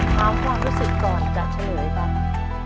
คราวความรู้สึกก่อนจากเฉลยครับ